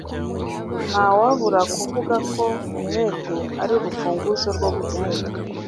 Ntawabura kuvuga ko umwete ari urufunguzo rwo gutsinda.